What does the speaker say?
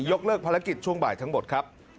ยกเลิกภารกิจช่วงบ่ายทั้งหมดครับ